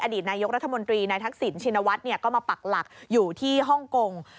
อดีตนายกรัฐมนตรีที่ทักสินชินวัดมาปรักหลักอยู่ที่ฮ่องกง